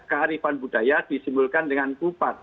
kearifan budaya disimbolkan dengan kupat